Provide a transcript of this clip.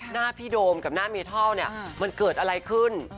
หน้าพี่โดมกับหน้าเมทัลเนี่ยมันเกิดอะไรขึ้น